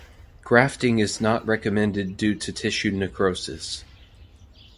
Grafting is not recommended due to tissue necrosis.